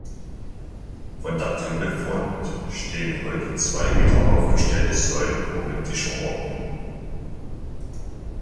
Von der Tempelfront stehen heute zwei wieder aufgestellte Säulen korinthischer Ordnung.